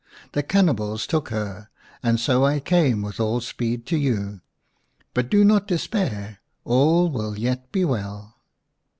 " The cannibals took her, and so I came with all speed to you. But do not despair ; all will yet be well."